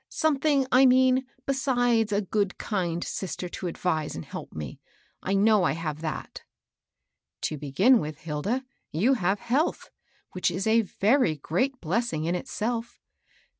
*^ Something, I mean, beside a kind, good sister to advise and help me. I know I have that." " To begin with, Hilda, you have health, which is a very great blessing in itself.